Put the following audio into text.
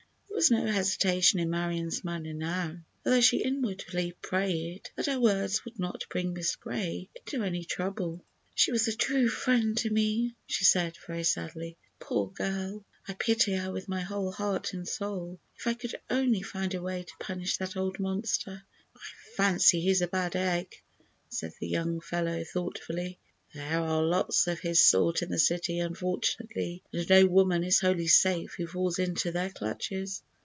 There was no hesitation in Marion's manner now, although she inwardly prayed that her words would not bring Miss Gray into any trouble. "She was a true friend to me," she said, very sadly. "Poor girl! I pity her with my whole heart and soul. If I could only find a way to punish that old monster." "I fancy he's a bad egg," said the young fellow, thoughtfully. "There are lots of his sort in the city, unfortunately, and no woman is wholly safe who falls into their clutches."